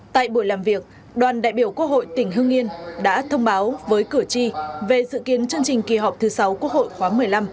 tại buổi làm việc đoàn đại biểu quốc hội tỉnh hưng yên đã thông báo với cử tri về dự kiến chương trình kỳ họp thứ sáu quốc hội khóa một mươi năm